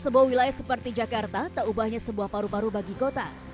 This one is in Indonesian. sebuah wilayah seperti jakarta tak ubahnya sebuah paru paru bagi kota